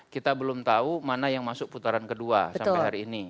kita belum tahu mana yang masuk putaran kedua sampai hari ini